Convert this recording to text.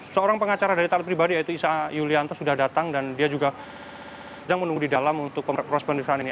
seorang pengacara dari taat pribadi yaitu isa yulianto sudah datang dan dia juga sedang menunggu di dalam untuk proses pemeriksaan ini